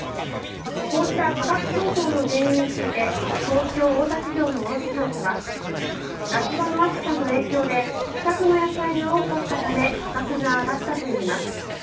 こうした価格高騰の原因について東京・大田市場の卸業者は夏場の暑さの影響で不作の野菜が多かったため価格が上がったといいます。